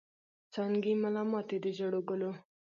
څانګي ملا ماتي د ژړو ګلو